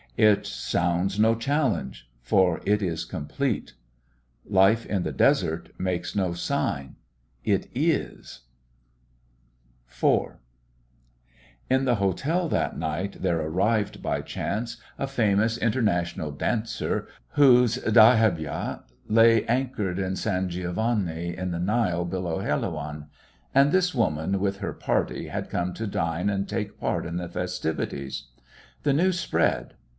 It sounds no challenge, for it is complete. Life in the desert makes no sign. It is. 4 In the hotel that night there arrived by chance a famous International dancer, whose dahabîyeh lay anchored at San Giovanni, in the Nile below Helouan; and this woman, with her party, had come to dine and take part in the festivities. The news spread.